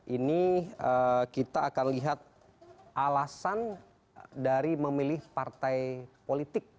ini kita akan lihat alasan dari memilih partai politik